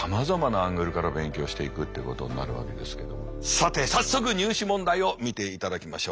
さて早速入試問題を見ていただきましょう。